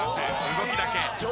動きだけ。